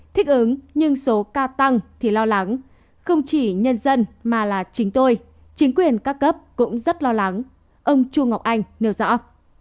thích ứng nhưng số ca tăng thì lo lắng không chỉ nhân dân mà là chính tôi chính quyền các cấp cũng rất lo lắng ông chu ngọc anh nêu rõ